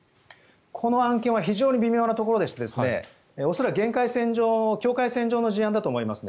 この案件は非常に微妙なところでして恐らく境界線上の事案だと思います。